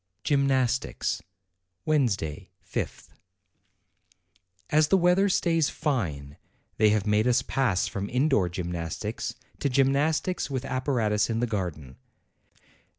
GYMNASTICS Wednesday, 5th. As the weather stays fine, they have made us pass from indoor gymnastics to gymnastics with ap paratus in the garden.